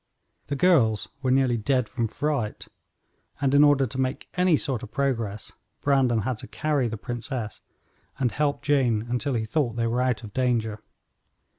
The girls were nearly dead from fright, and in order to make any sort of progress Brandon had to carry the princess and help Jane until he thought they were out of danger.